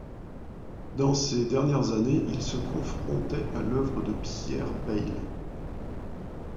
Dans ses dernières années, il se confrontait à l'œuvre de Pierre Bayle.